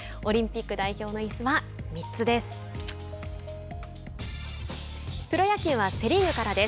オリンピック代表のいすは３つです。